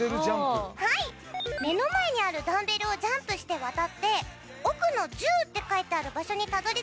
目の前にあるダンベルをジャンプして渡って奥の１０って書いてある場所にたどり着けたらクリア。